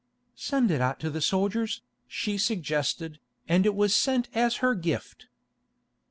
"Send it out to the soldiers," she suggested, and it was sent as her gift.